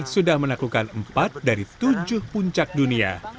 sudah menaklukkan empat dari tujuh puncak dunia